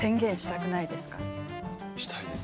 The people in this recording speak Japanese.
したいです。